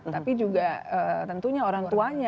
tapi juga tentunya orang tuanya